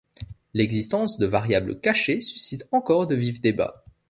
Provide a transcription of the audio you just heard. L'existence de variable cachée suscite encore de vifs débats.